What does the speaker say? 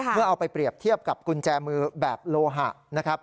เอาไปเปรียบเทียบกับกุญแจมือแบบโลหะนะครับ